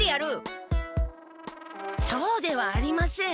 そうではありません。